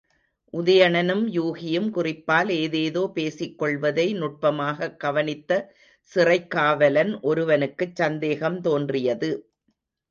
உதயணனும் யூகியும் குறிப்பால் ஏதேதோ பேசிக் கொள்வதை நுட்பமாகக் கவனித்த சிறைக்காவலன் ஒருவனுக்குச் சந்தேகம் தோன்றியது.